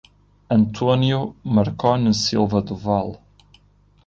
Antônio Marcone Silva do Vale